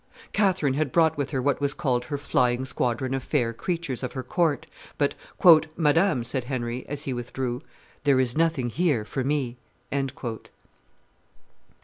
Catherine had brought with her what was called her flying squadron of fair creatures of her court: but, "Madame," said Henry, as he withdrew, "there is nothing here for me."